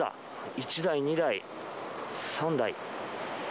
１台、２台、３台。